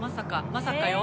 まさかよ。